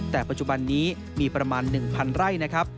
แต่ปัจจุบันนี้มีประมาณ๑๐๐ไร่นะครับ